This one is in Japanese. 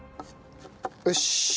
よし！